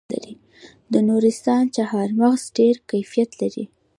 د نورستان چهارمغز ډیر کیفیت لري.